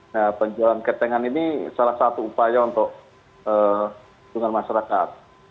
nah penjualan ketengan ini salah satu upaya untuk hubungan masyarakat